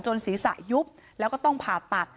ศีรษะยุบแล้วก็ต้องผ่าตัด